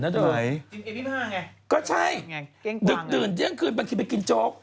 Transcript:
จริงเกม๒๕ไงก็ใช่ดึกดื่นเที่ยงคืนบางทีไปกินโจ๊ก